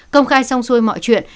công khai song sôi mọi chuyện